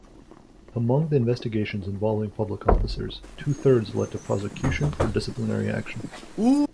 Among the investigations involving public officers, two-thirds led to prosecution or disciplinary action.